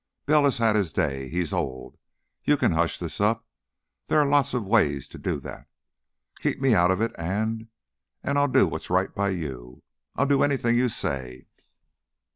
Bell has had his day. He's old. You can hush this up. There are lots of ways to do that. Keep me out of it and and I'll do what's right by you; I'll do anything you say."